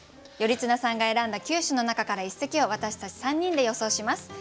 頼綱さんが選んだ九首の中から一席を私たち３人で予想します。